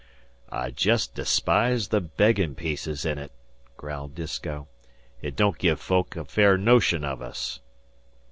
"I jest despise the beggin' pieces in it," growled Disko. "It don't give folk a fair notion of us."